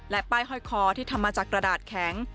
ป้ายห้อยคอที่ทำมาจากกระดาษแข็ง